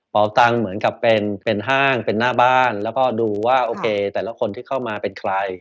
ตังค์เหมือนกับเป็นห้างเป็นหน้าบ้านแล้วก็ดูว่าโอเคแต่ละคนที่เข้ามาเป็นใคร